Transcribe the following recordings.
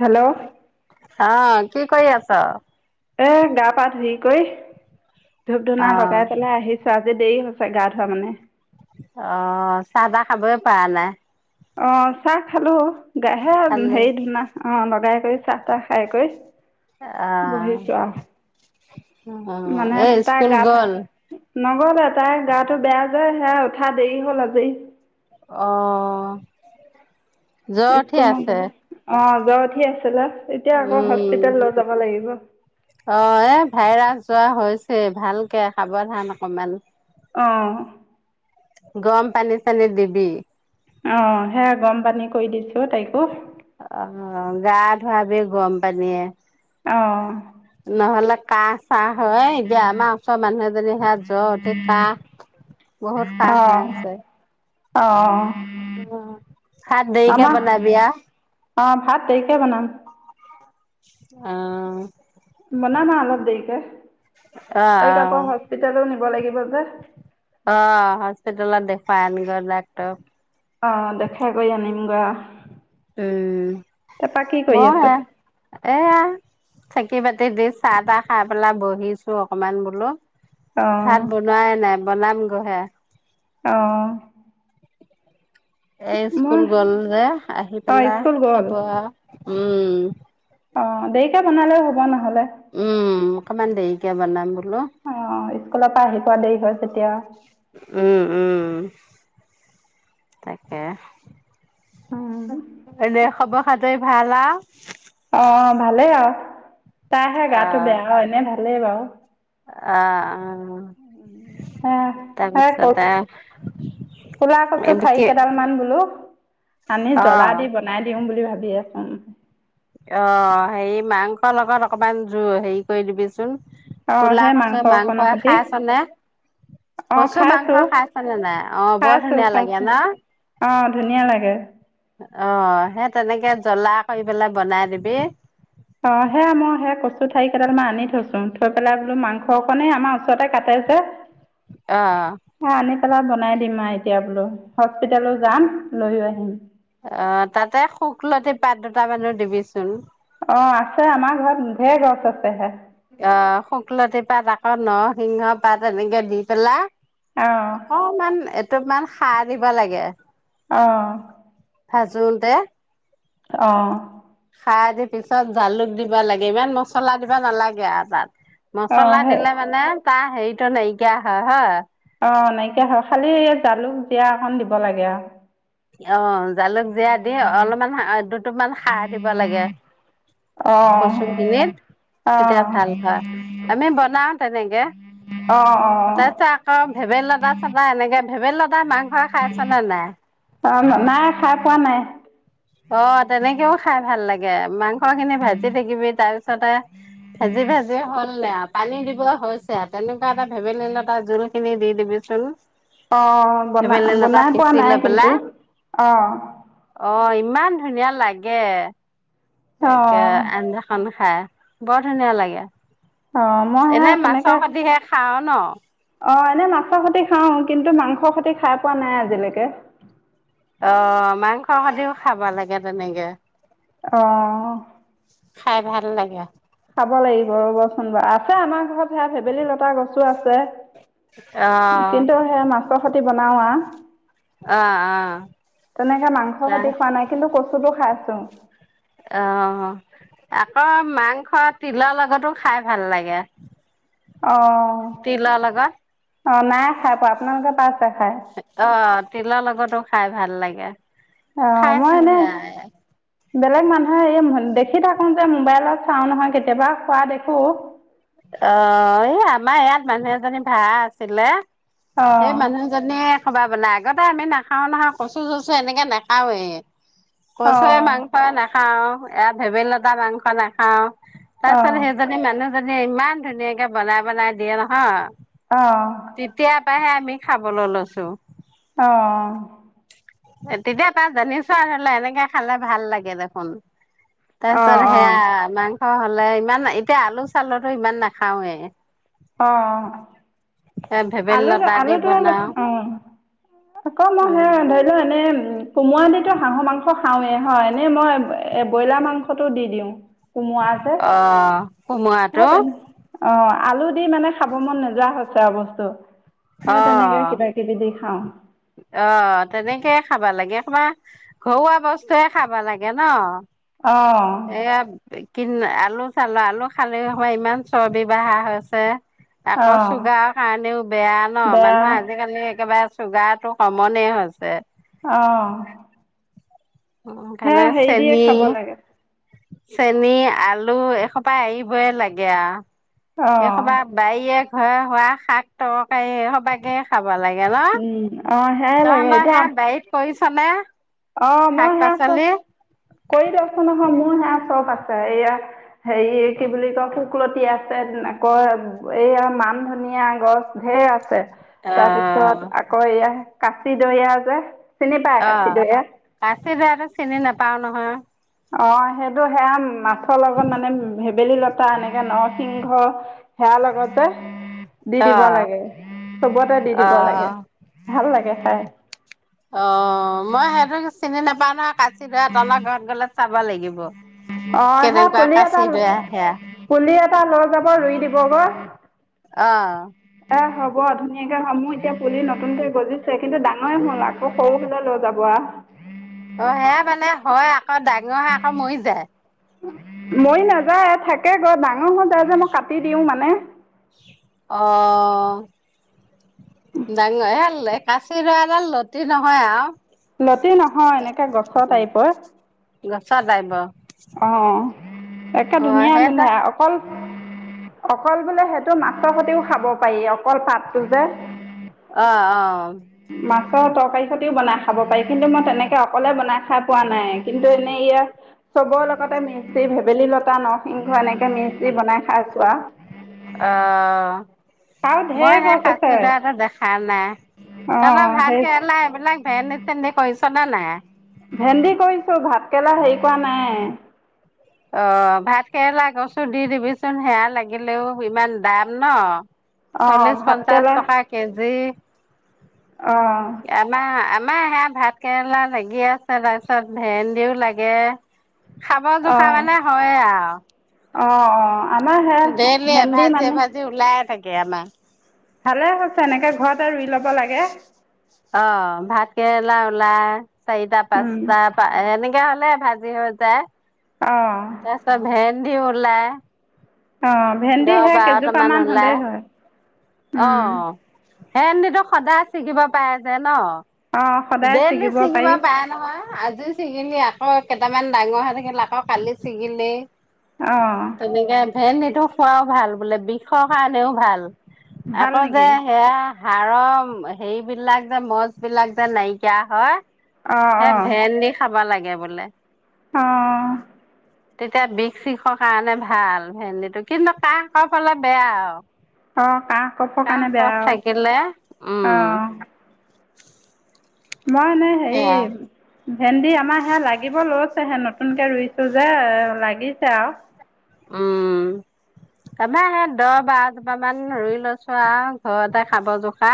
Hello অ', কি কৰি আছ? এ গা-পা ধুই কই ধূপ-ধূনা অ লগাই পেলাই আহিছো। আজি দেৰি হৈছে গা ধোৱা মানে অ', চাহ তাহ খাবই পৰা নাই অ', চাহ খালো গাহে খালি হেৰি [unintelligible] ট্ৰাই কৰিছা আহ, বহিছোঁ আৰু অ', মানে এই তাৰ স্কুল গাত গল? নগলে তাই গাটো বেয়া যে সেইয়া উঠা দেৰি হল আজি। অহ', জ্বৰ স্কুল উঠি আছে নগ'লে অঁ জ্বৰ উঠি আছে লে এতিয়া আকৌ উম হস্পিতাল লৈ যাব লাগিব। ছে ভালকে সাৱধান অকমান অ', গৰম পানী-চানী দিবি অ', সেয়া গৰম পানী কৰি দিছো তাইকো অ', গা ধোৱাবি গৰম পানীয়ে অ', নহলে কাহ চাহ হয় এতিয়া আমা চৰ মানুহএজনি সেইয়া জ্বৰ উঠি কাহ বহুত কাহ হৈ আছে। অ। অ ভাত দেৰিকে আমাৰ, বনাবি আও অ', ভাত দেৰিকে বনাম। অ। বনাম আৰু অলপ দেৰিকে। তাইক আকৌ হছস্পিটেলও নি নিব লাগিব যে। অ', হস্পিটেলত দেখুৱাই আনগৈ ডাক্টৰক। অ', দেখাই গৈ আনিম গৈ অহ। উম', মই আছে হে এয়া চাকি বাতি দি চাহ তাহ খাই পেলাই বহিছো অকমান বোলো। অঁ ভাত বনোৱাই নাই। বনাম গহে। অহ। এ স্কুল গল যে আহি অঁ পেলা স্কুল গ'ল চাব আৰু। উম। অ', দেৰিকা বনালেও হ'ব নহলে। উম, অকমান দেৰিকে বনাম বোলো। অ', স্কুলৰ পৰা আহি পোৱা দেৰি হয় তেতিয়া। উম, উম, তাকে। এনে খবৰ খাদই ভালা? অঁ ভালেই আৰু তাইহে গাটো বেয়া এনে ভালেই বাৰু। আ, আ। অ', হে হে তাৰপিছত ক ক'লা কচু এব ঠাৰি কি কেইডালমান বোলো আনি অ জ্বলা দি বনাই দিওঁ বুলি ভাব তাব ক ন অ', হে মাংস লগত অকমান জ হেৰি কৰি দিবিচোন। অঁ কলা সেই কচু মাংস অকণৰ সৈতে খাইছনে, অঁ কচু মাংস খাইছোঁ খাইছনে নাই অ', বৰ খাইছোঁ ধুনীয়া লাগে খাইছোঁ ন? অঁ ধুনীয়া লাগে অ', সেই তেনেকে জ্বলা কৰি পেলাই বনাই দিবি। অ', সেয়া মই সেই কচু ঠাৰি কেইডাল মান আনি থৈছো থৈ পেলাই বোলো মাংসকনে আমাৰ ওচৰতে কাটে যে। অহ। তেলত বনাই দিম আৰু এতিয়া বোলো, হস্পিতেেলত যাম লৈও আহিম। অ', তাতে শুকলতি পাত দুট মানো দিবিচ অ আছে আমাৰ ঘৰত ধেৰ ঘৰ- থতে হে অ শুকলতি পাত আকৌ নৰসিংহ পাত এনেকে দি পেলাই অঁ অকমান এত- তমান সাৰ দিব লাগে অহ শোনতে অ খাৰ দি পিছত জালুক দিব লাগে ইমান মচলা দিবা নালাগে আৰু তাত অঁ মচলা সেই দিলে মানে তাহ সেইটো নাইকিয়া হয় হয় অ নাইকিয়া হয় খালি জালুক জিয়া অকন দিব লাগে আৰু অ জালুক জীয়া দি অলপমান সাআত দুটোপমান সাৰ দিব লাগে। অঁ কচু খিনিত অঁ তেতিয়া ভাল হয় আমি বনাও তেনেকে অঁ অঁ তাৰ পিছত আকৌ ভেবেলি লতা চাদা এনেকে ভেবেল লতাই মাংসই খাইছনে নাই? অ নাই খাই পোৱা নাই। অ তেনেকেও খাই ভাল লাগে মাংস খিনি ভাজি থাকিবি তাৰ পিছতে ভাজি ভাজি হ'ল নে আৰু পানী দিব হৈছে তেনেকুৱা এটা ভেবেলিলতা জোল খিনি দি দিবি চোন। অ বনা বনাই পোৱা নাই লৈ কিন্তু পেলাই অ অ ইমান ধুনীয়া লাগে সে অঁ আঞ্জাখন খাই বৰ ধুনীয়া লাগে। অ মই সে এনে তেনেকে মাছৰ সতিহে খাও ন অ এনে মাছৰ সতি খাও কিন্তু মাংস সৰ খতি খাই পোৱা নাই আজিলৈকে। অ মাংস খতিও খাব লাগে তেনেকে অহ খাই ভাল লাগে। খাব লাগিব ৰ'বচোন বাৰ আছে আমাৰ ঘৰত সেয়া ভেবেলি লতা গছো আছে। অ কিন্তু সেইয়া মাছৰ খতি তি বনাও আ অ অ তেনেকে মাংসৰ তাৰ খতি খোৱা নাই কিন্তু কচুটো খাইছো। অ আকৌ মাংস তিলৰ লগতো খাই ভাল লাগে অ তিলৰ লগত অ নাই খাই পোৱা আপোনালোকে পাইছে খাই? অ তিলৰ লগতো খাই ভাল লাগে অ খাইছো মই এনে সেয়া বেলেগ মানুহে এই দেখি থাকো যে মোবাইলত চাও নহয় কেতিয়াবা খোৱা দেখো। অ এই আমাৰ ইয়াত মানুহ এজনী ভাৰা আছিলে। সেই অ', মানুহজনীয়ে বনাই আগতে আমি নাখাও নহয় কচু চচু এনেকে নাখাওৱে কচুয়ে অ', মাংসয়ে নাখাও এ ভেবেলি লতা মাংস নাখাও। অ', তাৰপিছত অ', সেইজনী মানুহজনী ইমান ধুনীয়াকে বনাই বনাই দিয়ে নহয়। অ'। তেতিয়াপাহে আমি খাবলৈ লৈছো। অঁ তেতিয়া তাৰ জানিছো ধৰি ল এনেকে খালে ভাল লাগে দেখোন। তাৰ পিছত অ', সেয়া মাংস হ'লে ইমান এতিয়া আলু চালুতো ইমান নাখাওৱে। অহ এ ভেবেলী আলুটো লতা দি আলুটো বনাও অ আক মই সে উম ধৰি লোৱা এনে কোমৰা দিতো হাঁহৰ মাংস খাওৱে হয় ননে মই এ ব্ৰইলাৰ মাংসটো দি দিওঁ। কোমোৰা অ যে সেই কামোৰাঁতো তেনে অঁ আলু দি মানে খাব মন নোযোৱা হৈছে আৰু বস্তু। অঁ [unintelligible] অ অহ তেনেকে খাবা লাগে। তোমাৰ ঘৰুৱা বস্তুৱয়ে খাব লাগে ন? অঁ সেয়া কি আলু চালো আলু খালে সময় ইমান চৰ্বি বহা হৈছে। আকৌ অঁ চুগাৰ কাৰণেও বেয়া ন বেয়া মানুহৰ আজিকালি একেবাৰে চুগাৰটো কমনে হৈছে। অহ হে সেইকাৰণে হেৰি দিয়ে খাব লাগে। চেনী আলু এসোপাই আহিবই লাগে আৰু অঁ এসবা বাৰীয়ে ঘ হোৱা শাক তৰকাৰী সোপাকে খাব লাগে ন? অঁ সেয়াই ত লাগে বাৰ সেয়া বাৰীত কৰিছ [unintelligible] অ শাক মই সে আছো পাচলি কৰি দিয়কচোন নহয়। মোৰ সে চব আছে এইয়া হেৰি কি বুলি কয় শুকলতি আছে আকৌ এইয়া মান ধনিয়া গছ ঢেৰ আছে। অ তাৰপিছত আকৌ এয়া কাচি দইয়া আ যে চীনি পাই কাঁচি? কাচি দয়াটো চিনি নোপাও ন। হা অ সেইটো সেয়া মাছৰ লগত মানে ভেবেলী লতা এনেকে নৰসিংহ সেয়া লগতে দি দিব অ', লাগে চবতে দি দিব লাগে অ'। ভাল লাগে। হয়। অ মই সেইটো চিনি নোপাওঁ নহয় কাচিডৰা তহঁত ঘৰত গলে চাব লাগিব। অ সে কেনেকুৱা পুলি এটা কাচি দৰা সেয়া পুলি এটা লৈ যাব ৰুই দিব গ অ'। এ হব। হব ধুনীয়াকে সমূহ এতিয়া পুলি নতুনকৈ গজিছে কিন্তু ডাঙৰে হল আকৌ সৰু হলে লৈ যাব আও। অ সেয়া মানে হয় আকৌ ডাঙৰ হয়ে আকৌ মৰি যায়। মৰি নাযায় থাকে গৈ ডাঙৰ হৈ যায় যে মই কাটি দিওঁ মানে। অ ডাঙৰ কাচি দয়া ডাল লতি নহয় আৰু। লতি নহয় এনেকে গছৰ টাইপৰ। গছ ডাইব। অ একে অ', ধুনীয়া সেইটা গোন্ধাই অকল। অকল বোলে সেইটো মাছৰ সৈতেও খাব পাৰি অকল পাতটো যে। অ অ। আকৌ তৰকাৰী খতিও বনাই খাব পাৰি কিন্তু মই তেনেকে অকলে বনাই খাই পোৱা নাই কিন্তু এনেই ইয়াৰ। চবৰ লগতে মিসি ভেবেলী লতা নৰসিংহ এনেকে মিচি বনাই খাইছোৱা আৰু অ। আৰু মই ঢেৰ সেই গছ কাচি আছে দয়াটো দেখা নাই অ তহতৰ ভাত সেই কেৰেলা এইবিলাক ভেন্দী চেন্দি কৰিছ ন নাই। ভেন্দি কৰিছো ভাতকৰেলা হেৰি কৰা নাই। অ ভাত কেৰেলা গছো দি দিবিচোন সেয়া লাগিলেও ইমান দাম ন। অ চল্লিশ ভাতকেৰেলা পঞ্চাশ টকা কেজি। অ আমা আমাৰ সেয়া ভাত কেৰেলা লাগি আছে। তাৰপিছত ভেন্দিও লাগে খাব অ খাই মানে হয়ে আৰু অ অ। আমাৰ সে দেইলি ভেন্দি এভাজি মানে এভাজি ওলাই থাকে। কে আমা। ভালে হৈছে এনেকে ঘৰত আৰু ৰুই ল'ব লাগে। কে অ', ভাত কেৰেলা উলাই। চাৰিটা, উম পাঁচটা পা এনেক তো হলে ভাজি হৈ যায়। অ এছা ভেন দি উলাহ। অঁ', ভেন্দি হয়, কেইজোপামান ওলাই হলেই হয়, উম। সেইন্দিতো সদায় ছিকিব পাই যে ন। অ সদায় ডেইলী ছিগিব চিঙিব পাৰি পাৰে নহয়, আজিও চিঙিনিয়া। অ', কেইটামান ডাঙৰ হৈ থাকিল আকৌ কালি ছিগিলেই। অ তেনেকে ভেন খোৱাও ভাল বোলে বিষৰ কাৰণেও ভাল। ভাল আকৌ যে নেকি সেয়া হাৰৰ হেৰিবলাক যে মছ বিলাক যে নাইকিয়া হয়। অ ভে অ ভেণ্ডি খাবা লাগে। বোলে। অ', তেতিয়া বিষ-চিষৰ কাৰণে ভাল ভেন্দিটো কিন্তু কাহ-কফ হ'লে বেয়া আৰু। অঁ' কাহ-কফৰ কাহ কাৰণে বেয়া কফ আৰু থাকিলে উম। অঁ' মই এনে হেৰি সেয়া। ভেন্দি আমাৰ সেয়া লাগিব ল'। সে নতুনকে ৰুইছো যে লাগিছে আৰু। উম' তাপা সেই দহ বাৰ জোপা মান ৰুই লৈছো আৰু ঘৰতে খাব জোখা।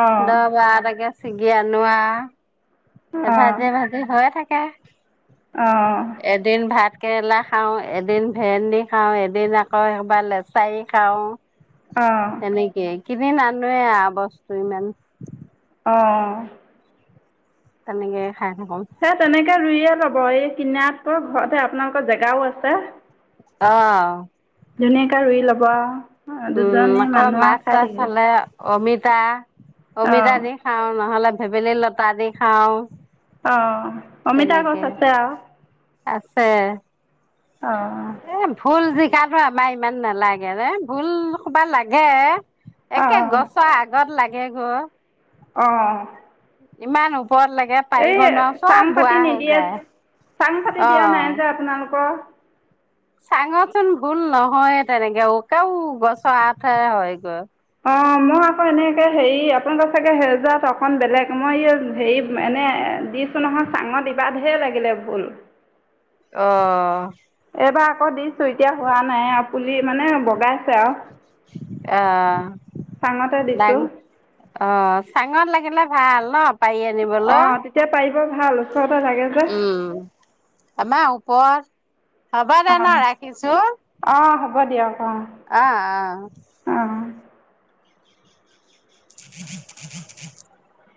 অঁ দহ-বাৰ তাকে। চিজি আনো আৰু। অঁ ভাজে ভাজে হৈয়ে থাকে। অঁ কে এদিন ভাত। কেৰেলা খাওঁ এদিন। ভেন্দি খাওঁ এদিন আকৌ একবাৰ লেচাৰি খাওঁ। অঁ তেনেকে। কিনি নানোৱে বস্তু ইমান। অঁ' তেনেকে, খাই থাকো সে তেনেকে ৰুইয়ে লব। ব এই কিনাতকৈ ঘৰতে আপোনালোকৰ জেগাও আছে। অহ। ধুনীয়াকে ৰুই লবা। উম আকৌ মাছ চাছ হালে অমিত। তা। অমিদা অঁ দি খাওঁ নহ'লে। ভেবেলী লত দি খাওঁ। অহঁ। অমিতা তেনেকে গছ আছে আও আছে। অঁ এ ভুল যে। জিকা আমাৰ ইমান নালাগে ভুল কোবা লাগে। একে অঁ গছৰ আগত লাগে। হে ঘৰ। অহ। ইমান নো। পৰত লাগে পাৰিব নোৱাৰো চাং চব পাতি বোৱা হৈ নিদিয়ে যায় অ। অঁ। [unintelligible] চাঙচোন ভুল নহয়ে তেনেকে অকাও গছৰ আঠে হয় গৈ। অঁ মই আকৌ এনেকৈ হেৰি আপোনালোকৰ চাগে সেজাত অকণ বেলেগ মই এই হেৰি এনে দিছোঁ নহয় চাঙত ইবাদহেৰ লাগিলে ভুল। অহঁ। এইবাৰ আকৌ দিছো এতিয়া হোৱা নাই আৰু পুলি মানে বগাইছে আৰু। অ চাঙতে ডাং দিছোঁ অ চাঙৰ লাগিলে। ভাল নপ। পৰি আনিবলৈ। ব ভাল। লাগে যে। উম আমাৰ ওপৰত। হ'ব দে অঁ ন ৰাখিছো, অঁ হ'ব দিয়ক অঁ অহ অহ। অঁ [unintelligible]